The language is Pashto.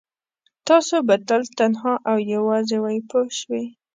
تاسو به تل تنها او یوازې وئ پوه شوې!.